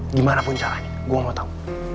gimanapun caranya gue mau tahu